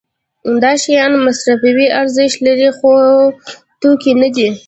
دا شیان مصرفي ارزښت لري خو توکي نه دي.